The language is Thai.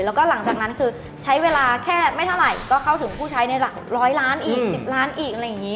แล้วก็หลังจากนั้นคือใช้เวลาแค่ไม่เท่าไหร่ก็เข้าถึงผู้ใช้ในร้อยล้านอีก๑๐ล้านอีกอะไรอย่างนี้